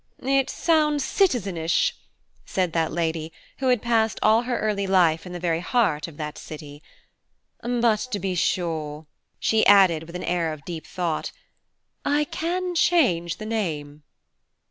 "It sounds citizenish," said that lady, who had passed all her early life in the very heart of that city; "but to be sure," she added, with an air of deep thought, "I can change the name."